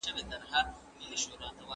دا ليکنې له هغه ګټورې دي!